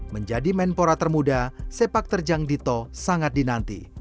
menjadi menpora termuda sepak terjang dito sangat dinanti